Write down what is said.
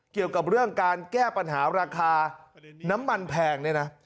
เกี่ยวกับเรื่องการแก้ปัญหาราคาน้ำมันแพงเนี่ยนะ